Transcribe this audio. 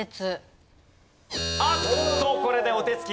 あっとこれでお手つき